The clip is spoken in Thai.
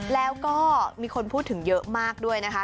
แล้วก็มีคนพูดถึงเยอะมากด้วยนะคะ